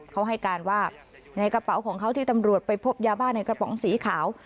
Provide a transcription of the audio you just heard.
เขาให้การว่าในกระเป๋าของเขาที่ตำรวจไปพบยาบ้าในกระป๋องสีขาว